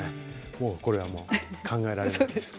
もうこれは考えられないです。